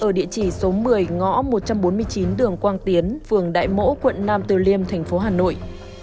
ở địa chỉ số một mươi ngõ một trăm bốn mươi chín đường quang tiến phường đại mỗ quận nam từ liêm thành phố hà nội